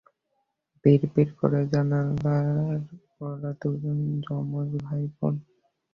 বিড়বিড় করে জানাল ওরা দুজন যমজ ভাই-বোন।